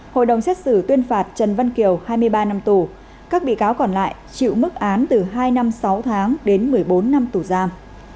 hội đồng xét xử tuyên phạt trần văn kiều hai mươi ba năm tù các bị cáo còn lại chịu mức án từ hai năm sáu tháng đến một mươi bốn năm tù giam